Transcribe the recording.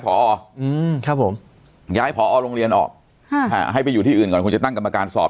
ผ่อออกอืมครับผมย้ายผ่อออกโรงเรียนออกอ่าให้ไปอยู่ที่อื่นก่อนคุณจะตั้งกรรมการสอบ